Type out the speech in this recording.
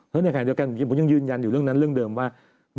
ผมยังยืนยันอยู่เรื่องนั้นเรื่องเดิมว่า